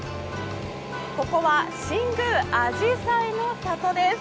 ここは新宮あじさいの里です。